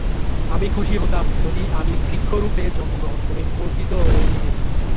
আমি খুশি হতাম যদি আমি বৃক্ষ রূপে জন্মগ্রহণ করে কর্তিত হয়ে যেতাম।